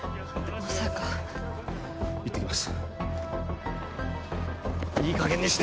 まさか行ってきます